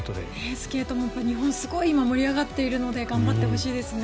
スケートも日本、今すごい盛り上がっているので頑張ってほしいですね。